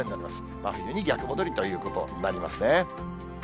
真冬に逆戻りということになりますね。